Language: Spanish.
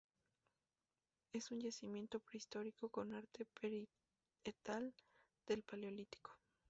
Es un yacimiento prehistórico con arte parietal del Paleolítico.